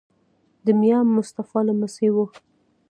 د میا مصطفی لمسی وو.